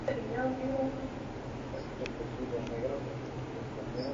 No hubo víctimas mortales y solo se presentaron daños materiales en Oaxaca.